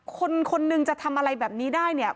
คนคนหนึ่งจะทำอะไรแบบนี้ได้เนี่ย